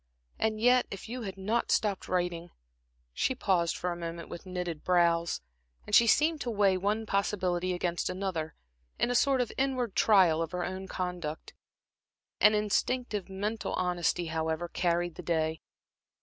And yet, if you had not stopped writing" She paused for a moment with knitted brows, as she seemed to weigh one possibility against another, in a sort of inward trial of her own conduct. An instinctive mental honesty, however, carried the day.